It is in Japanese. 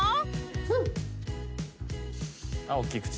うん！